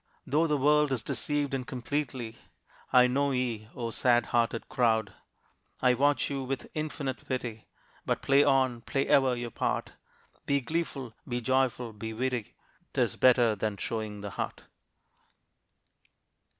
Though the world is deceived and completely, I know ye, O sad hearted crowd! I watch you with infinite pity: But play on, play ever your part, Be gleeful, be joyful, be witty! 'Tis better than showing the heart.